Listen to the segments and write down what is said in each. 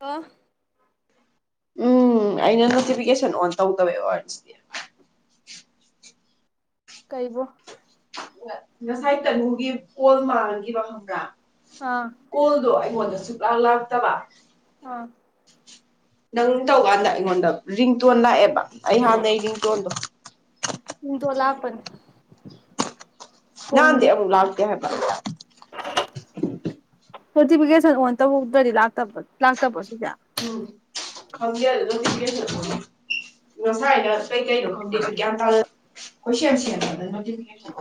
ꯑꯣ ꯎꯝ ꯑꯩꯅ ꯅꯣꯇꯤꯐꯤꯀꯦꯁꯟ ꯑꯣꯟ ꯇꯧꯗꯕꯩ ꯑꯣꯏꯔꯝꯅꯤ- ꯀꯩꯕꯨ ꯉꯁꯥꯏ ꯇꯅꯨꯒꯤ ꯄꯣꯜ ꯃꯥꯡꯈꯤꯕ ꯈꯪꯕ꯭ꯔꯥ ꯑꯥ ꯀꯣꯜꯗꯣ ꯑꯩ ꯀꯣꯟꯗ ꯁꯨꯛꯂꯥꯡ ꯂꯥꯛꯇꯕ ꯑꯥ ꯅꯪ ꯇꯧꯀꯥꯟꯗ ꯑꯩꯉꯣꯟꯗ ꯔꯤꯡꯇꯣꯟ ꯂꯥꯛꯑꯦꯕ ꯑꯩꯍꯥꯟꯗꯩ ꯔꯤꯡꯇꯣꯟꯗꯣ ꯗꯣꯂꯥꯄꯟ ꯅꯥꯟꯗꯦ ꯑꯃꯨꯛ ꯂꯥꯛꯇꯦ ꯍꯥꯏꯕ- [unintelligible] ꯅꯣꯇꯤꯐꯤꯀꯦꯁꯟ ꯑꯣꯟ ꯇꯧꯗ꯭ꯔꯗꯤ ꯂꯥꯛꯇꯕ ꯂꯥꯛꯇꯕꯁꯨ ꯎꯝ ꯈꯪꯗꯦ ꯅꯣꯇꯤꯐꯤꯀꯦꯁꯟ ꯉꯁꯥꯏꯅ ꯀꯩꯀꯩꯅꯣ ꯈꯪꯗꯦ ꯒ꯭ꯌꯥꯟ ꯇꯥ ꯀꯣꯏꯁꯦꯝ ꯁꯦꯝꯃ ꯅꯣꯇꯤꯐꯤꯀꯦꯁꯟ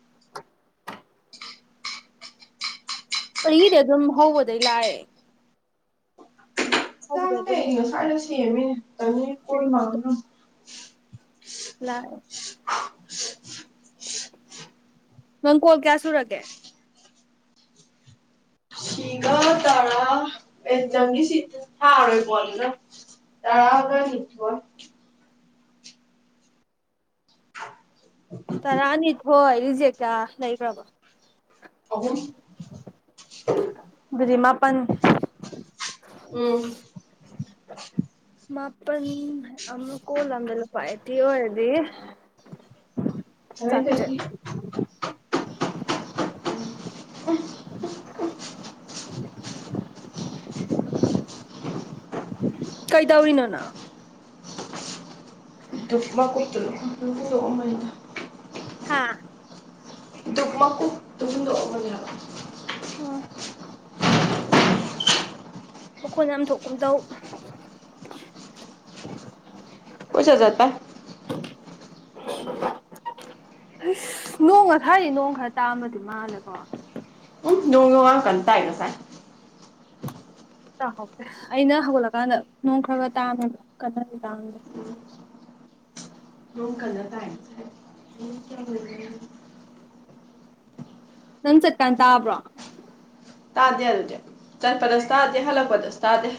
[unintelligible] ꯑꯩꯗꯤ ꯑꯗꯨꯝ ꯍꯧꯕꯗꯒꯤ ꯂꯥꯛꯑꯦ ꯅꯪ ꯍꯧꯕꯗꯩ ꯑꯗꯨꯝ ꯀꯩꯒꯤꯅꯣ ꯁꯥꯏꯗ ꯁꯦꯝꯃꯦ ꯑꯅꯤ ꯀꯣꯟ ꯃꯥꯡꯅꯕ- ꯂꯥꯛꯑꯦ [unintelligible] ꯅꯪ ꯀꯣꯜ ꯀꯌꯥ ꯁꯨꯔꯒꯦ ꯁꯤꯒ ꯇꯔꯥ ꯑꯦꯛꯖꯥꯝꯒꯤ ꯁꯤ ꯊꯥꯔꯣꯏꯕꯣꯗꯅ ꯇꯔꯥ ꯇꯥꯔꯥꯅꯤꯊꯣꯏ ꯖꯦꯀꯥ ꯅꯩ꯭ꯔꯕ ꯑꯍꯨꯝ ꯑꯗꯨꯗꯤꯃꯥꯄꯟ ꯃꯥꯞ- ꯄꯟ ꯑꯃ ꯀꯣꯂꯗ ꯂꯄꯥ ꯑꯩꯇꯤ ꯑꯣꯏꯔꯗꯤ ꯆꯥꯇ꯭ꯔꯦꯠ ꯍꯣꯔꯦꯟꯗꯒꯤ ꯎ ꯎ ꯎ ꯀꯩꯗꯧꯔꯤꯅꯣꯅꯪ ꯨꯞ ꯃꯀꯨꯞꯇꯨꯗꯗꯣꯛꯑꯃꯅꯗ ꯍꯥꯥ ꯗꯨꯞ ꯃꯀꯨꯞ ꯇꯨꯡꯗꯣ ꯎꯝ ꯃꯈꯣꯏꯅ ꯑꯃꯊꯣꯛꯀꯝ ꯇꯧ ꯀꯣꯏꯆꯠ ꯆꯠꯄꯩ ꯑꯁ ꯅꯣꯡꯒ ꯊꯥꯏꯗꯤ ꯅꯣꯡ ꯈꯔ ꯇꯥꯝꯃꯗꯤ ꯃꯥꯜꯂꯦꯀꯣ ꯅꯣꯡꯉꯋ꯭ꯥꯏ ꯀꯟ ꯇꯥꯏ ꯉꯁꯥꯏ ꯇꯥꯍꯧꯗꯦ ꯑꯩꯅ ꯍꯧꯒꯠꯂꯀꯥꯟꯗ ꯅꯣꯡ ꯈꯔꯒ ꯇꯥꯡꯕ ꯀꯟꯅꯗꯤ ꯇꯥꯡꯟꯗꯦ ꯌ ꯀꯂꯔ ꯇꯥꯏ ꯅꯪ ꯆꯠꯀꯥꯟ ꯇꯥꯕ꯭ꯔꯣ ꯇꯥꯗꯦ ꯑꯗꯨꯗꯤ ꯆꯠꯄꯗꯁꯨ ꯇꯥꯗꯦ ꯍꯜꯂꯛꯄꯗꯁꯨ ꯇꯥꯗꯦ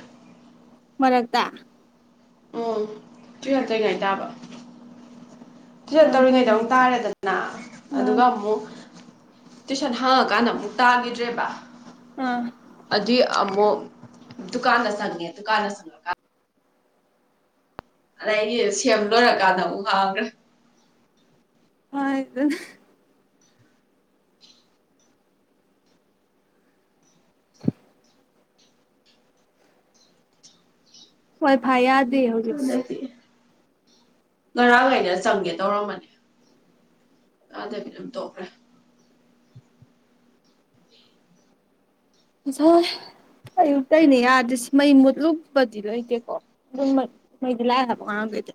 ꯃꯔꯛꯇ ꯎꯝ ꯇꯨꯏꯁꯟ ꯆꯠꯂꯤꯉꯩ ꯇꯥꯕ ꯇꯨꯏꯁꯟ ꯌꯥꯝ ꯐꯩ ꯇꯧꯔꯤꯉꯩꯗ ꯑꯃꯨꯛ ꯇꯥꯔꯦꯗꯅ ꯑꯥ ꯑꯗꯨꯒ ꯑꯃꯨꯛ ꯇꯨꯏꯁꯟ ꯍꯥꯡꯉꯀꯥꯟꯗ ꯑꯃꯨꯛ ꯇꯥꯒꯤꯗ꯭ꯔꯦꯕ ꯑꯥ ꯑꯃꯨꯛ ꯗꯨꯀꯥꯟꯗ ꯆꯪꯉꯦ ꯗꯨꯀꯥꯟꯗ ꯆꯪꯉꯀꯥꯟꯗ ꯑꯗꯩꯗꯤ ꯁꯦꯝ ꯂꯣꯏꯔꯀꯥꯟꯗ ꯑꯃꯨꯛ ꯍꯥꯡꯈ꯭ꯔꯦ ꯍ ꯑꯗꯨ [inaudible] ꯋꯥꯏ ꯐꯥꯏ ꯌꯥ ꯍꯧꯖꯤꯛꯁ ꯉꯔꯥꯡꯉꯩꯗ ꯆꯪꯒꯦ ꯇꯧꯔꯝꯃꯅꯤ ꯑꯥꯗꯕꯤ ꯑꯗꯨꯝ ꯇꯣꯛꯈ꯭ꯔꯦ ꯉꯁꯥꯏ ꯑꯌꯨꯛꯇꯩꯅꯦ ꯌꯥꯗ꯭ꯔꯤꯁꯦ ꯃꯩ ꯃꯨꯠꯂꯨꯞꯕꯗꯤ ꯂꯩꯇꯦꯀꯣ ꯑꯗꯨꯝ ꯃꯩꯗꯤ ꯂꯥꯛꯑꯦ ꯍꯥꯏꯕ ꯉꯥꯡꯗꯩꯗꯤ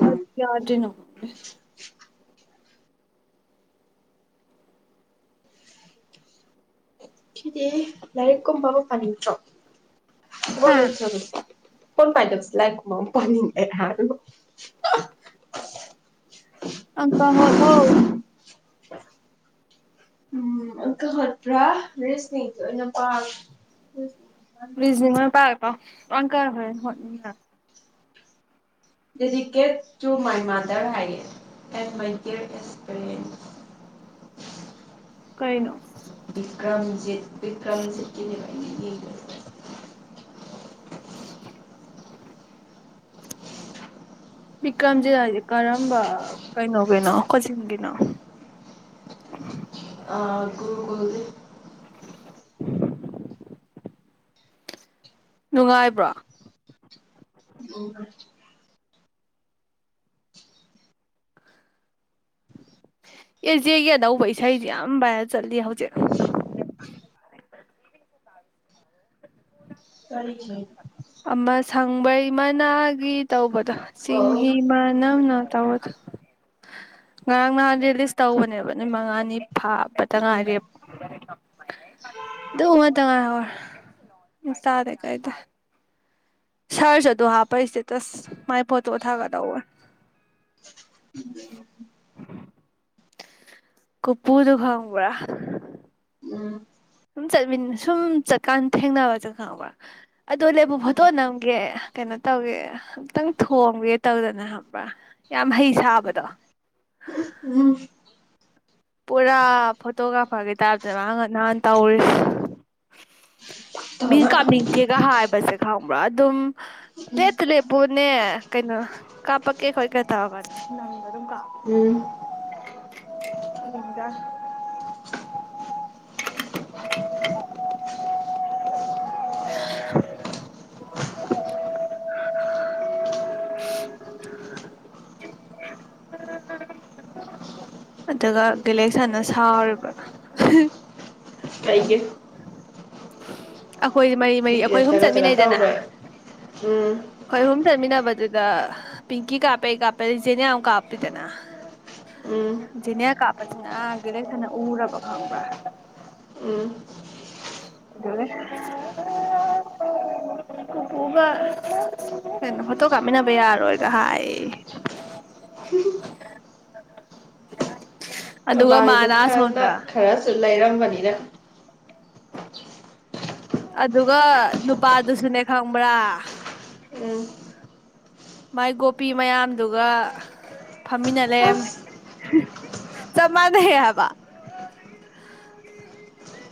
ꯀꯔꯤꯒꯤ ꯌꯥꯗ꯭ꯔꯤꯅꯣ ꯈꯪꯗꯦ ꯁꯤꯗꯤ ꯂꯥꯏꯔꯤꯛ ꯀꯨꯝꯕ ꯑꯃ ꯄꯥꯅꯤꯡꯉꯛꯇ꯭ꯔꯣ ꯊꯕꯛ ꯍꯥ ꯂꯩꯇ꯭ꯔꯕꯅꯤ ꯐꯣꯟ ꯄꯥꯏꯗꯕꯁꯦ ꯂꯥꯏꯔꯤꯛꯀꯨꯝꯕ ꯑꯃ ꯄꯥꯅꯤꯡꯉꯛ ꯍꯥꯏ ꯑꯪꯀ ꯍꯣꯠꯂꯣ ꯎꯝ ꯑꯪꯀ ꯍꯣꯠꯄ꯭ꯔꯥ ꯔꯤꯖꯅꯤꯡꯗꯣ ꯑꯣꯏꯅ ꯄꯥꯔꯣ ꯔꯤꯖꯤꯅꯤꯡ ꯑꯣꯏꯅ ꯄꯥ [unintelligible] ꯀ ꯍꯣꯏ ꯍꯣꯏ [unintelligible] ꯗꯦꯗꯤꯀꯦꯠ ꯇꯨ ꯃꯥꯏ ꯃꯥꯗꯔ ꯍꯥꯏꯌꯦ ꯑꯦꯟ ꯃꯥꯏ ꯗꯤꯌꯔ ꯑꯦꯁꯄꯔꯦꯟ ꯀꯩꯅꯣ ꯕꯤꯀ꯭ꯔꯝꯖꯤꯠ ꯕꯤꯀ꯭ꯔꯝꯖꯤꯠꯀꯤꯅꯦ ꯌꯦ [unintelligible] ꯕꯤꯀ꯭ꯔꯝꯖꯤꯠ ꯍꯥꯏꯁꯦ ꯀꯔꯝꯕ ꯀꯩꯅꯣꯒꯤꯅꯣ ꯀꯣꯆꯤꯟꯒꯤꯅꯣ ꯑꯥ ꯒꯨꯔꯨꯒꯣꯜꯗꯦ [unintelligible] ꯅꯨꯡꯉꯥꯏꯕ꯭ꯔꯣ ꯅꯨꯡꯉꯥꯏ [unintelligible] ꯑꯦꯖꯦꯒꯤ ꯑꯅꯧꯕ ꯏꯁꯩꯖꯤ ꯌꯥꯝ ꯚꯥꯏꯔꯦꯜ ꯆꯠꯂꯤ ꯍꯧꯖꯤꯛ ꯀꯔꯤꯁ [unintelligible] ꯑꯃ ꯁꯪꯕ꯭ꯔꯩ ꯃꯅꯥꯒꯤ ꯇꯧꯕ ꯑꯣ ꯆꯤꯡꯍꯤ ꯃꯥꯅꯝꯅꯥ ꯇꯧꯕꯗꯣ ꯉꯔꯥꯡ ꯅꯍꯥꯟ ꯔꯤꯂꯤꯁ ꯇꯧꯕꯅꯦꯕ ꯅꯨꯃꯤꯠ ꯃꯉꯥꯅꯤ ꯐꯥꯕ ꯄꯇ ꯎꯝ ꯉꯥꯏꯔꯦ ꯑꯗꯨ ꯉꯥꯇ ꯉꯥꯏꯍꯧꯔꯦ ꯏꯟꯁꯇꯥꯗꯩ ꯀꯥꯏꯗꯩ [unintelligible] ꯁ꯭ꯔꯁ ꯑꯗꯨ ꯍꯥꯞꯄꯩ ꯏꯁꯇꯦꯇꯁ ꯃꯥꯏ ꯐꯣꯇꯣ ꯊꯥꯒꯠꯍꯧꯕꯅꯦ ꯀꯨꯄꯨꯗꯣ ꯈꯪꯕ꯭ꯔꯥ ꯎꯝ ꯁꯨꯝ ꯆꯠꯃꯤꯟꯅ ꯁꯨꯝ ꯆꯠꯀꯥꯟ ꯊꯦꯡꯅꯕꯁꯦ ꯈꯪꯕ꯭ꯔꯥ ꯑꯗꯨ ꯂꯦꯞꯄꯨ ꯐꯣꯠꯇꯣ ꯅꯝꯒꯦ ꯀꯩꯅꯣ ꯇꯧꯒꯦ ꯑꯝꯇꯪ ꯊꯣꯝꯒꯦ ꯇꯧꯗꯅ ꯈꯪꯕ꯭ꯔꯥ ꯌꯥꯝ ꯍꯩ ꯁꯥꯕꯗꯣ ꯎꯝ [inaudible] ꯄꯨꯔꯥ ꯐꯣꯇꯣꯒ꯭ꯔꯥꯐꯔꯒꯤ ꯇꯥꯏꯞꯇ ꯃꯥꯉ ꯅꯍꯥꯟ ꯇꯧꯔꯤꯁꯦ ꯃꯤ ꯇꯧꯕ ꯀꯃꯤ ꯊꯦ [unintelligible] ꯍꯥꯏꯕꯁꯦ ꯈꯪꯕ꯭ꯔꯥ ꯑꯗꯨꯝ ꯇꯦꯠ ꯇꯨꯂꯦꯠꯄꯨꯅꯦ ꯀꯩꯅꯣ ꯀꯥꯞꯄꯛꯀꯦ ꯈꯣꯠꯀꯦ ꯇꯥꯒꯅ ꯅꯝꯗꯅꯥ ꯑꯗꯨꯝ ꯀꯞꯄꯦ ꯎꯝ ꯑꯗꯨꯒ ꯒꯦꯂꯦꯛꯁꯟꯅ ꯁꯥꯎꯔꯤꯕ ꯀꯩꯒꯤ ꯑꯈꯣꯏ ꯃꯔꯤ ꯃꯔꯤ ꯑꯩꯈꯣꯏ ꯑꯍꯨꯝ ꯆꯒꯠ ꯆꯒꯠ ꯆꯠꯃꯤꯟꯅꯩꯗꯅ ꯇꯧꯈ꯭ꯔꯦ ꯎꯝ ꯑꯩꯈꯣꯏ ꯑꯍꯨꯝ ꯆꯠꯃꯤꯟꯅꯕ ꯑꯗꯨꯗ ꯄꯤꯡꯀꯤ ꯀꯥꯞꯄꯦ ꯑꯩ ꯀꯥꯞꯄꯦ ꯖꯦꯅꯤꯌꯥꯃꯨꯛ ꯀꯥꯞꯄꯤꯗꯅ ꯎꯝ ꯖꯦꯅꯤꯌꯥ ꯀꯥꯞꯄꯁꯤꯅ ꯕꯦꯂꯦꯟꯁꯤꯅ ꯎꯔꯕ ꯈꯪꯕ꯭ꯔꯥ ꯎꯝ ꯐꯣꯇꯣ ꯀꯥꯞꯃꯤꯟꯅꯕ ꯌꯥꯔꯔꯣꯏꯒ ꯍꯥꯏꯌꯦꯌꯦ ꯕꯥꯏꯗꯣ ꯈꯔꯅ ꯈꯔꯁꯨ ꯂꯩꯔꯝꯕꯅꯤꯅ ꯑꯗꯨꯒ ꯅꯨꯄꯥꯗꯨꯁꯨꯅꯦ ꯈꯪꯕ꯭ꯔꯥ ꯎꯝ ꯃꯥꯏ ꯒꯣꯄꯤ ꯃꯌꯥꯝꯗꯨꯒ ꯐꯝꯃꯤꯟꯅ ꯂꯩꯔꯝꯃꯦ ꯑꯁ ꯆꯞ ꯃꯥꯟꯅꯩꯍꯦ ꯍꯥꯏꯕ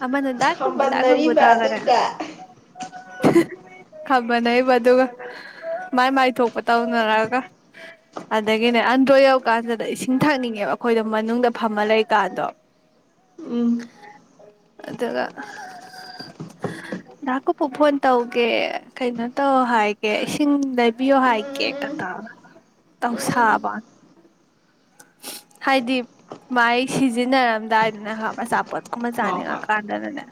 ꯑꯃꯅ ꯗꯥꯛ ꯈꯨꯕꯨ ꯈꯝꯕꯟꯅꯔꯤꯕ ꯑꯗꯨꯒ ꯈꯝꯕꯟꯅꯩꯕ ꯑꯗꯨꯒ ꯃꯥꯏ ꯃꯥꯏ ꯊꯣꯛ ꯇꯧꯅꯔꯒ ꯑꯗꯒꯤꯅꯦ ꯑꯟꯗ꯭ꯔꯣ ꯌꯧꯀꯥꯟꯗꯅ ꯏꯁꯤꯡ ꯊꯛꯅꯤꯡꯉꯦꯕ ꯑꯩꯈꯣꯏꯗꯣ ꯃꯅꯨꯡꯗ ꯐꯝꯃ ꯂꯩꯀꯥꯟꯗꯣ ꯎꯝ ꯑꯗꯨꯒ ꯗꯀꯨꯞꯄꯨ ꯐꯣꯟ ꯇꯧꯒꯦ ꯀꯩꯅꯣ ꯇꯧ ꯍꯥꯏꯒꯦ ꯏꯁꯤꯡ ꯂꯩꯕꯤꯌꯣ ꯍꯥꯏꯒꯦ ꯎꯝ ꯀꯦꯛꯀꯥ ꯇꯧꯔ ꯎꯝ ꯇꯧꯁꯥꯕꯋꯅꯤ ꯍꯥꯏꯗꯤ ꯃꯥꯥꯏ ꯁꯤꯖꯤꯟꯅꯔꯝꯗꯥꯏꯗꯅ ꯑꯆꯥꯄꯣꯠ ꯍꯣꯏ ꯃꯖꯥꯅꯦꯉ ꯍꯣꯏ ꯀꯥꯟꯗꯗꯅꯦ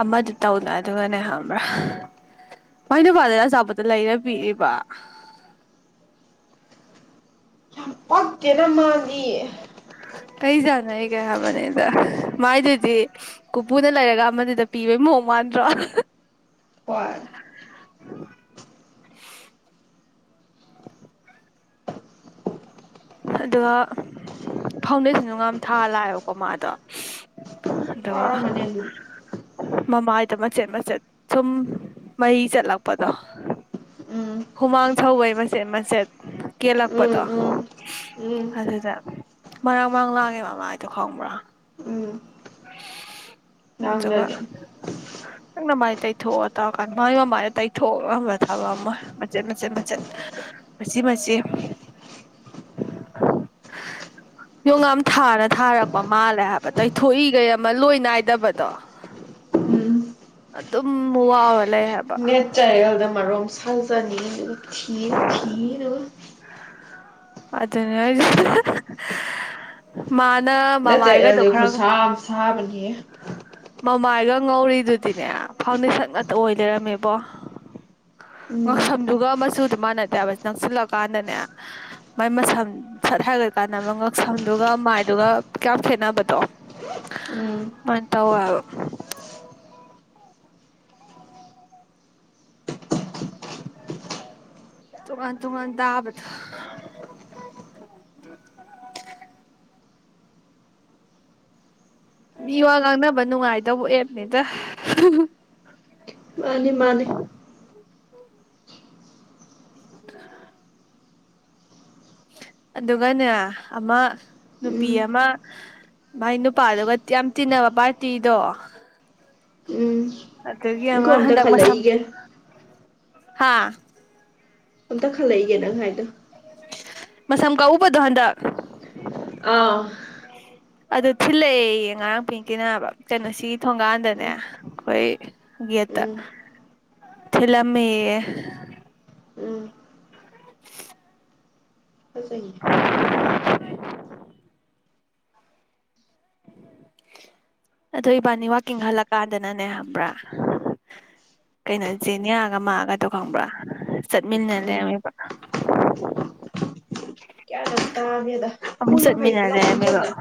ꯑꯃꯗꯤ ꯇꯧꯅ ꯑꯗꯨꯒꯅꯦ ꯈꯪꯕ꯭ꯔꯥ ꯃꯥꯏ ꯅꯨꯄꯥꯗ ꯑꯆꯥꯄꯣꯠꯇꯣ ꯂꯩꯔ ꯄꯤꯔꯛꯏꯕ ꯄꯛꯇꯦꯅ ꯃꯗꯤ ꯀꯩ ꯆꯥꯟꯅꯔꯤꯒꯦ ꯍꯥꯏꯕꯅꯤꯗ ꯃꯥꯏꯗꯨꯗꯤ ꯀꯞꯄꯨꯅ ꯂꯩꯔꯒ ꯑꯃꯗꯨꯗ ꯄꯤꯕꯩ ꯃꯑꯣꯡ ꯃꯥꯟꯗ꯭ꯔꯣ ꯍꯣꯏ ꯑꯗꯨꯒ ꯐꯥꯎꯟꯗꯦꯁꯟꯁꯨ ꯌꯥꯝ ꯊꯥꯔ ꯂꯥꯛꯑꯦꯕꯀꯣ ꯃꯗꯣ ꯑꯗꯨꯒ ꯋꯥꯔꯝꯃꯅꯤ ꯑꯗꯨꯗꯤ ꯃꯃꯥꯏꯗ ꯃꯆꯦꯠ ꯃꯆꯦꯠ ꯁꯨꯝ ꯃꯩꯏ ꯆꯠꯂꯛꯄꯗꯣ ꯎꯝ ꯍꯨꯃꯥꯡ ꯁꯧꯕꯩ ꯃꯆꯦꯠ ꯃꯆꯦꯠ ꯎꯝ ꯀꯦꯜꯂꯛꯄꯗꯣ ꯎꯝ ꯎꯝ ꯑꯗꯨꯗ ꯃꯔꯥꯡ ꯃꯔꯥꯡ ꯂꯥꯡꯉꯦꯕ ꯃꯥꯗꯣ ꯈꯪꯕ꯭ꯔꯥ ꯎꯝ ꯑꯗꯨꯒ ꯉꯥꯡꯅꯗꯦ ꯅꯪꯅ ꯃꯥꯏ ꯇꯩꯊꯣꯛꯑ ꯇꯧꯔꯀꯥꯟꯗ ꯃꯥꯒꯤ ꯃꯃꯥꯏꯗ ꯇꯩꯊꯣꯛ ꯉꯝꯕ ꯊꯕꯛ ꯑꯃꯣꯏ ꯃꯆꯦꯠ ꯃꯆꯦꯠ ꯃꯆꯦꯠ ꯃꯆꯤ ꯃꯆꯤ ꯌꯣꯡ ꯌꯝ ꯊꯥꯅ ꯊꯥꯔꯛꯄ ꯃꯥꯜꯂꯦ ꯍꯥꯏꯕ ꯊꯣꯛꯏꯈꯩ ꯑꯃ ꯂꯣꯏ ꯅꯥꯏꯗꯕꯗꯣ ꯑꯗꯨꯝ ꯋꯥꯎꯔꯅꯤ ꯅꯦꯠꯇꯔꯗ ꯃꯔꯣꯡ ꯁꯥꯟꯖꯥꯅꯤ ꯊꯤꯌꯦ ꯊꯤꯌꯤꯗꯨꯒ ꯑꯗꯨꯅꯤ ꯍꯥꯏꯖꯦ ꯃꯥ ꯅꯠꯇ ꯑꯦꯜꯗꯤ ꯈꯨꯁꯥꯝ ꯁꯥꯕꯒꯤ ꯃꯃꯥꯏꯒ ꯉꯧꯔꯤꯗꯨꯗꯤꯅꯦ ꯐꯥꯎꯟꯗꯦꯁꯟ ꯉꯥꯛꯇ ꯑꯣꯏ ꯂꯩꯔꯝꯃꯦꯕꯣ ꯎꯝ ꯉꯥꯛꯁꯝꯗꯨꯒ ꯃꯆꯨ ꯑꯗꯨꯃꯥꯅꯗ꯭ꯔꯦꯕ ꯅꯪꯁꯤꯜꯂꯛꯀꯥꯟꯗꯅꯦ ꯃꯥꯏ ꯃꯁꯝ ꯁꯠ ꯍꯥꯏꯒ꯭ꯔꯀꯥꯟꯗ ꯃꯥ ꯉꯛꯁꯝꯗꯨꯒ ꯃꯥꯏꯗꯨꯒ ꯀꯌꯥꯝ ꯈꯦꯠꯅꯕꯗꯣ ꯎꯝ ꯑꯗꯨꯃꯥꯏꯅ ꯇꯧꯋꯦꯕ ꯇꯣꯡꯉꯟ ꯇꯣꯡꯉꯟ ꯇꯥꯕꯗꯣ ꯃꯤ ꯋꯥ ꯉꯥꯡꯅꯕ ꯅꯨꯡꯉꯥꯏꯗꯧꯕ ꯑꯦꯞꯅꯤꯗ ꯃꯅꯤ ꯃꯅꯤ [unintelligible] ꯑꯗꯨꯒꯅꯦ ꯑꯃ ꯅꯨꯄꯤ ꯎꯝ ꯑꯃ ꯃꯥꯏ ꯅꯨꯄꯥꯗꯨꯒ ꯌꯥꯝ ꯇꯤꯟꯅꯕ ꯄꯥꯔꯇꯤꯗꯣ ꯑꯗꯨꯒꯤ ꯏꯪꯈꯣꯝꯗ ꯈꯜꯂꯛꯏꯒꯦ ꯍꯥꯥ ꯑꯝꯇ ꯈꯜꯂꯛꯏꯒꯦ ꯅꯪ ꯍꯥꯏꯥꯏꯗꯣ ꯃꯁꯝ ꯀꯛꯎꯕꯗꯣ ꯍꯟꯗꯛ ꯑꯥ ꯑꯗꯨ ꯊꯤꯜꯂꯛꯑꯦꯌꯦ ꯉꯔꯥꯡ ꯄꯤꯡꯀꯤꯅ ꯍꯥꯕ ꯀꯩꯅꯣ ꯁꯤꯒꯤ ꯊꯣꯡꯒꯥꯟꯗꯅꯦ ꯎꯝ ꯑꯩꯈꯣꯏ ꯒꯦꯠꯇ ꯎꯝ ꯊꯤꯜꯂꯝꯃꯦꯌꯦ ꯎꯝ [inaudible] ꯐꯖꯩꯌꯦ ꯑꯗꯣ ꯏꯕꯥꯅꯤ ꯋꯀꯤꯡ ꯍꯜꯂꯛꯀꯥꯟꯗꯅꯅꯦ ꯍꯥꯏꯕ꯭ꯔꯥ ꯀꯩꯅꯣ ꯖꯦꯅꯤꯌꯥꯒ ꯃꯥꯑꯒꯗꯣ ꯈꯪꯕ꯭ꯔꯥ ꯆꯠꯃꯤꯟꯅ ꯎꯝ ꯂꯩꯔꯝꯃꯤꯕ꯭ꯔꯥ ꯇꯥꯒꯦꯗ ꯄꯨꯡ ꯑꯃꯨꯛ ꯃꯈꯩ ꯆꯠꯃꯤꯟꯅ ꯄꯨꯂꯞ ꯈꯟꯁꯤꯅ ꯂꯩꯔꯝꯃꯦꯕ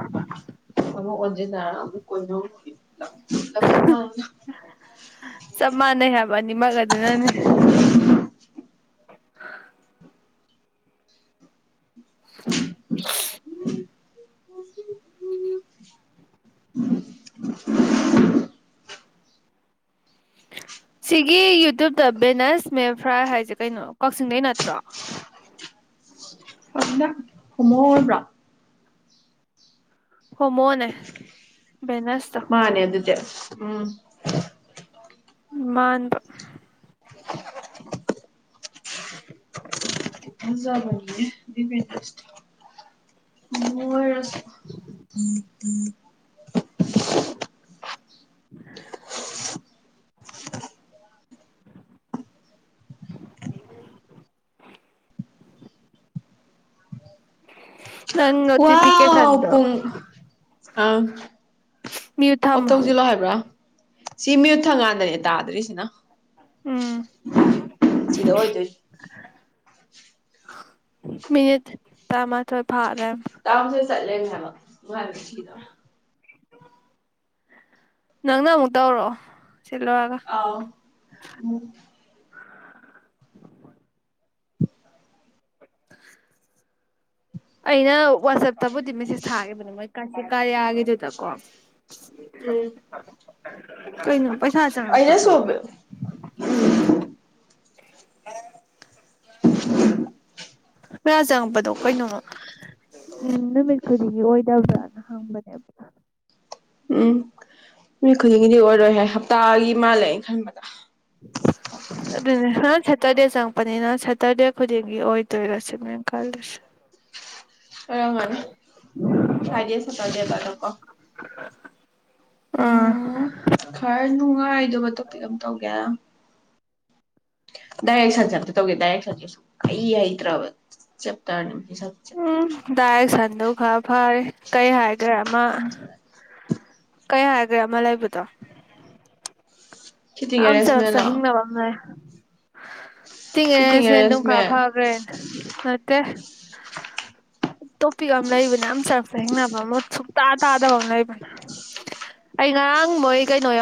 ꯑꯃ ꯑꯣꯖ ꯅꯥ ꯑꯃꯛꯀꯣꯏꯅꯧ ꯂꯆ [unintelligible] ꯆꯞ ꯃꯥꯟꯅꯩ ꯍꯥꯏꯕ ꯑꯅꯤꯃꯛ ꯑꯗꯨꯅꯅꯦ [inaudible] ꯁꯤꯒꯤ ꯌꯨꯇ꯭ꯨꯕꯇ ꯕꯦꯅꯦꯁ ꯃꯦ ꯐ꯭ꯔꯥꯏ ꯍꯥꯏꯁꯦ ꯀꯩꯅꯣ ꯀꯛꯆꯤꯡꯗꯩ ꯅꯠꯇ꯭ꯔꯣ ꯍꯣꯃꯣꯔꯣ ꯍꯃꯣꯅꯦ ꯃꯥꯅꯦ ꯑꯗꯨꯗꯤ ꯎꯝ ꯗꯛ ꯃꯥꯟꯕ ꯃꯖꯥꯕꯅꯤꯌꯦ [unintelligible] [inaudible] [inaudible] ꯋꯥ ꯅꯣꯇꯤꯐꯤꯀꯦꯁꯟꯗꯣ ꯄꯨꯡ ꯑ ꯃ꯭ꯌꯨꯠ ꯑꯣꯞ ꯊꯝꯃꯣ ꯇꯧꯁꯤꯜꯂꯣ ꯍꯥꯏꯕ꯭ꯔꯥ ꯁꯤ ꯃꯤꯌꯨꯠ ꯊꯪꯀꯥꯟꯗꯅꯦ ꯇꯥꯗ꯭ꯔꯤꯁꯤꯅ ꯎꯝ ꯁꯤꯗ ꯑꯣꯏꯗꯣꯏ [unintelligible] ꯃꯤꯅꯤꯠ ꯇꯔꯃꯥꯊꯣꯏ ꯐꯠ ꯇꯥꯝꯁ ꯆꯠꯂꯦ ꯊꯕꯛ ꯋꯥꯔꯦ ꯁꯤꯗꯧꯔꯦ ꯅꯪꯅ ꯑꯃꯨꯛ ꯇꯧꯔꯛꯑꯣ ꯁꯤ ꯂꯣꯏꯔꯒ ꯑꯥꯎ ꯎꯝ [inaudible] ꯑꯩꯅ ꯋꯥꯆꯦꯞꯇꯕꯨꯗꯤ ꯃꯦꯁꯦꯁ ꯊꯥꯈꯤꯕꯅꯦ ꯃꯣꯏ ꯑꯁꯤ ꯀꯔꯌꯥ ꯒꯤꯗꯨꯗ ꯀꯣ ꯎꯝ ꯎ [unintelligible] ꯀꯩꯅꯣ ꯄꯩꯁꯥ ꯑꯩꯅꯁꯨ ꯆꯪꯉꯛꯄꯗꯣ [inaudible] ꯄꯩꯁꯥ ꯆꯪꯉꯛꯄꯗꯣ ꯀꯩꯅꯣꯃ ꯎꯝ ꯅꯨꯃꯤꯠ ꯈꯨꯗꯤꯡꯒꯤ ꯑꯣꯏꯗꯕ꯭ꯔꯅ ꯍꯪꯕꯅꯦꯕ ꯎꯝ ꯅꯨꯃꯤꯠ ꯈꯨꯗꯤꯡꯒꯤꯗꯤ ꯑꯣꯏꯔꯣꯏ ꯍꯥꯏ ꯍꯞꯇꯥꯒꯤ ꯃꯥꯜꯂꯦ ꯑꯩꯅ ꯈꯟꯕꯗ ꯑꯗꯨꯅꯦ [unintelligible] ꯇꯔꯦꯠ ꯆꯪꯉꯛꯄꯅꯤꯅ ꯁꯇꯔꯗꯦ ꯈꯨꯗꯤꯡꯒꯤ ꯑꯣꯏꯗꯣꯏꯔ ꯁꯤꯅꯤ ꯑꯩꯅ ꯈꯜꯂꯤꯁꯤ ꯑꯣꯏꯔꯝꯒꯅꯤ ꯐꯔꯥꯏꯗꯦ ꯁꯇ꯭ꯔꯗꯦ ꯗꯒ ꯀꯣ ꯑꯥ ꯎꯝ ꯈꯔꯅꯤ ꯅꯨꯡꯉꯥꯏꯗꯧꯕ ꯇꯣꯄꯤꯛ ꯑꯃ ꯇꯧꯒꯦ ꯍꯥꯏꯔꯣ ꯗꯥꯏꯔꯦꯛꯁꯟꯁꯦ ꯑꯃꯇ ꯇꯧꯒꯦ ꯗꯥꯏꯔꯦꯛꯁꯟꯁꯦ ꯁꯨꯛꯍꯩ ꯍꯩꯇ꯭ꯔꯕ ꯆꯦꯞꯇꯔꯗꯣ ꯎꯝ [unintelligible] [unintelligible] ꯐꯔꯦ ꯀꯩ ꯍꯥꯏꯒꯦ ꯃꯥ ꯀꯩ ꯍꯥꯏꯒꯦ ꯑꯃ ꯂꯩꯕꯗꯣ ꯁꯤꯇꯤꯡ ꯌꯥꯝ ꯆꯔꯛ ꯑꯦꯔꯦꯟꯖꯃꯦꯟꯂꯣ ꯆꯍꯤꯡꯅꯕ ꯑꯃ ꯁꯤꯇꯤꯡ ꯑꯦꯔꯦꯟꯖꯃꯦꯟ ꯂꯩꯔꯦ [inaudible] [unintelligible] ꯅꯠꯇꯦ ꯇꯣꯄꯤꯛ ꯑꯃ ꯂꯩꯕꯅꯦ ꯌꯥꯝ ꯆꯔꯛ ꯆꯍꯤꯡꯅꯕ ꯑꯃ ꯇꯥ ꯇꯥꯗꯕ ꯑꯃ ꯂꯩꯕꯅꯦ ꯑꯩ ꯉꯔꯥꯡ ꯃꯣꯏ ꯀꯩꯅꯣ ꯌꯥꯎꯕ